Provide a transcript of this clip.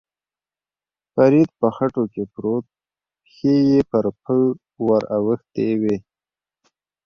فرید په خټو کې پروت، پښې یې پر پل ور اوښتې وې.